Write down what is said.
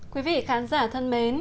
quý vị khán giả thân mến